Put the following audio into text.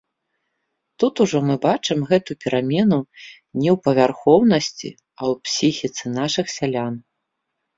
Тут ужо мы бачым гэту перамену не ў павярхоўнасці, а ў псіхіцы нашых сялян.